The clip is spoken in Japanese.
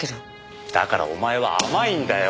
だからお前は甘いんだよ。